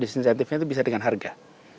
disinsentifnya itu bisa dengan harga